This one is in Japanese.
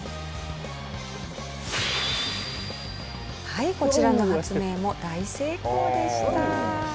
はいこちらの発明も大成功でした。